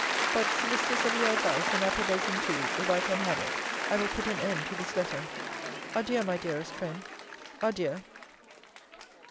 But, solicitous of your advice, and approbation too, if I can have it, I will put an end to this letter. Adieu, my dearest friend, adieu!